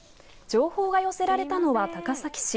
情報が寄せられたのは高崎市。